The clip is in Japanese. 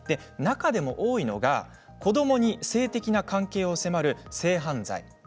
中でも多いのが、子どもに性的な関係を迫る性犯罪。